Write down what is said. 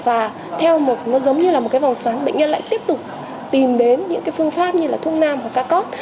và theo một vòng xoán bệnh nhân lại tiếp tục tìm đến những phương pháp như thuốc nam hoặc ca cốt